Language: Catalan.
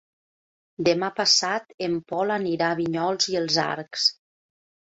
Demà passat en Pol anirà a Vinyols i els Arcs.